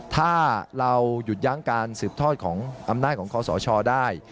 ถ้าเราหยุดยั้งการสืบทอดของอำนาจของคอสชได้